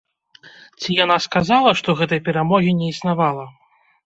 Ці яна сказала, што гэтай перамогі не існавала?